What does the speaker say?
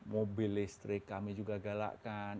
mobil listrik kami juga galakkan